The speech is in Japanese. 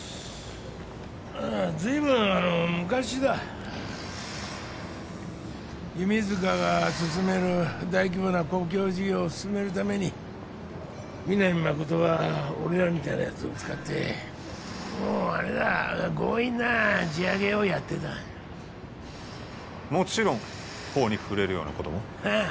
ずいぶんあの昔だ弓塚が進める大規模な公共事業を進めるために皆実誠は俺らみたいなヤツを使ってあれだ強引な地上げをやってたもちろん法に触れるようなこともああ